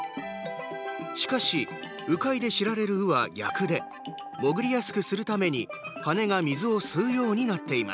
しかし鵜飼いで知られる鵜は逆で潜りやすくするために羽が水を吸うようになっています。